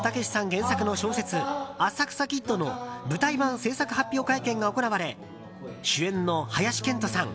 原作の小説「浅草キッド」の舞台版制作発表会見が行われ主演の林遣都さん